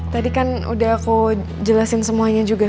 tadi kan udah aku jelasin semuanya juga